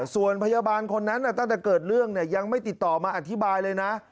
ส่วนพยาบาลคนนั้นตั้งแต่เกิดเรื่องยังไม่ติดต่อมาอธิบายเลยนะ